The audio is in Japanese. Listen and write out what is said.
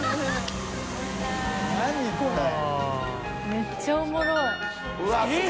めっちゃおもろい。